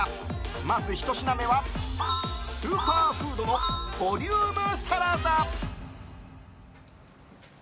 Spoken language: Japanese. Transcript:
まずひと品目はスーパーフードのボリュームサラダ。